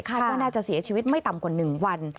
ว่าน่าจะเสียชีวิตไม่ต่ำกว่า๑วัน